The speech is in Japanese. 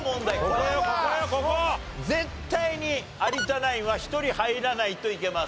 これは絶対に有田ナインは１人入らないといけません。